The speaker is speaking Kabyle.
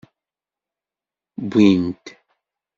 Wwin-t.